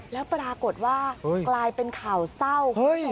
แล้วปรากฏว่ากลายเป็นข่าวเศร้า